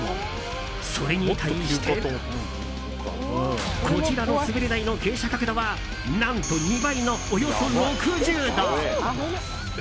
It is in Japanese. それに対してこちらの滑り台の傾斜角度は何と２倍のおよそ６０度。